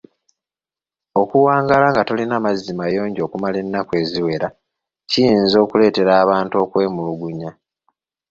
Okuwangaala nga tolina mazzi mayonjo okumala ennaku eziwera kiyinza okuleetera abantu okwemulugunya.